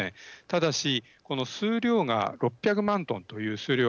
ただし数量が６００万トンという数量